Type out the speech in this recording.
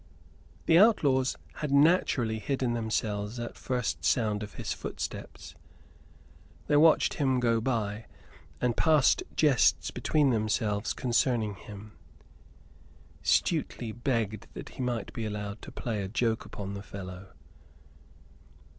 The outlaws had naturally hidden themselves at first sound of his footsteps. They watched him go by, and passed jests between themselves concerning him. Stuteley begged that he might be allowed to play a joke upon the fellow.